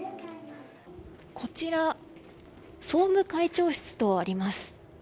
こちら、総務会長室とあります。